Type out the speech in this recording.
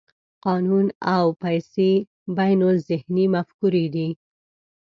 قانون او پیسې بینالذهني مفکورې دي.